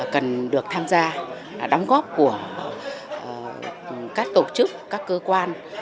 cần được tham gia đóng góp của các tổ chức các cơ quan